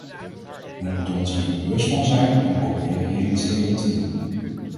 We moeten ons hier bewust van zijn en proberen hier iets tegen te doen.